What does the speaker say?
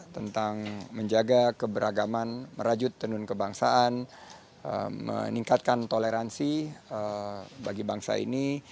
tentang menjaga keberagaman merajut tenun kebangsaan meningkatkan toleransi bagi bangsa ini